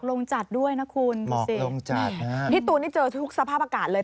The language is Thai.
ลงจัดด้วยนะคุณดูสิพี่ตูนนี่เจอทุกสภาพอากาศเลย